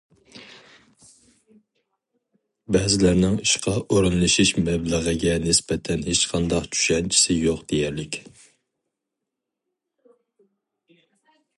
بەزىلەرنىڭ ئىشقا ئورۇنلىشىش مەبلىغىگە نىسبەتەن ھېچقانداق چۈشەنچىسى يوق دېيەرلىك.